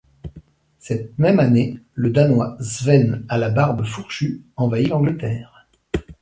Cette même année, le Danois Sven à la Barbe fourchue envahit l'Angleterre.